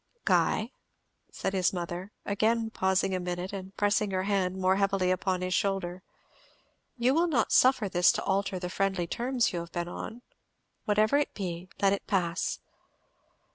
"Guy," said his mother, again pausing a minute, and pressing her hand more heavily upon his shoulder, "you will not suffer this to alter the friendly terms you have been on? whatever it be, let it pass."